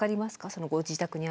そのご自宅にある。